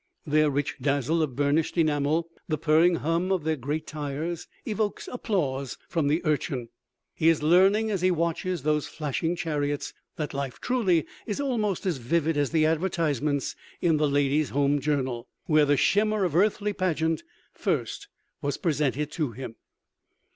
Their rich dazzle of burnished enamel, the purring hum of their great tires, evokes applause from the Urchin. He is learning, as he watches those flashing chariots, that life truly is almost as vivid as the advertisements in the Ladies' Home Journal, where the shimmer of earthly pageant first was presented to him.